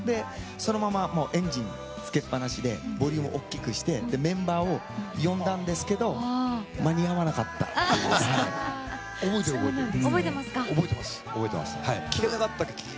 そのままエンジンつけっ放しでボリューム大きくしてメンバーを呼んだんですけど覚えてますか？